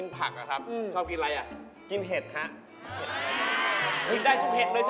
มาพี่จึงเหลือ